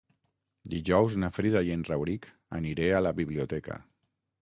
Dijous na Frida i en Rauric aniré a la biblioteca.